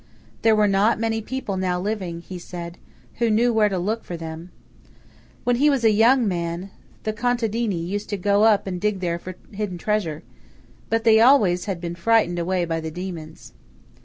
There were not many people now living, he said, who knew where to look for them. When he was a young man, the contadini used to go up and dig there for hidden treasure; but they had always been frightened away by the demons.